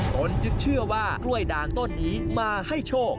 ตนจึงเชื่อว่ากล้วยด่างต้นนี้มาให้โชค